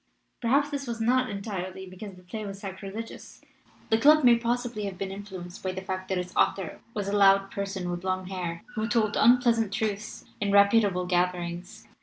Perhaps this was not entirely because the play was 'sacrilegious'; the club may possibly have been influenced by the fact that its author was a loud person with long hair, who told unpleasant truths in reputable gatherings.